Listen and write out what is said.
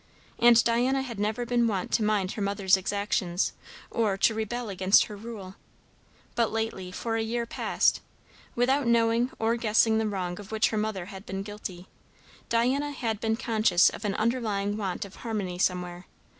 And Diana had never been wont to mind her mother's exactions, or to rebel against her rule; but lately, for a year past, without knowing or guessing the wrong of which her mother had been guilty, Diana had been conscious of an underlying want of harmony somewhere.